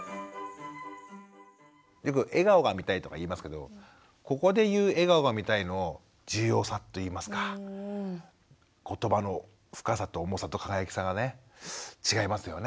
よく笑顔が見たいとかいいますけどここでいう笑顔が見たいの重要さといいますか言葉の深さと重さと輝きさがね違いますよね。